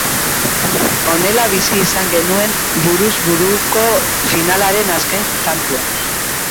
Honela bizi izan genuen buruz buruko finalaren azken tantua.